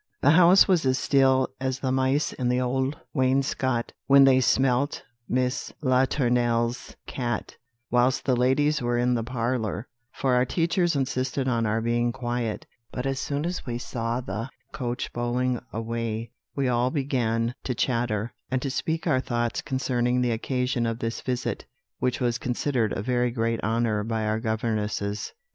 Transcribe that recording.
"The house was as still as the mice in the old wainscot when they smelt Miss Latournelle's cat, whilst the ladies were in the parlour, for our teachers insisted on our being quiet; but as soon as we saw the coach bowling away, we all began to chatter, and to speak our thoughts concerning the occasion of this visit, which was considered a very great honour by our governesses."